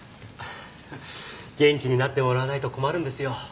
元気になってもらわないと困るんですよ。